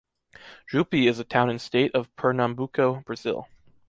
Jupi is a town in State of Pernambuco, Brazil.